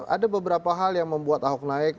ada beberapa hal yang membuat ahok naik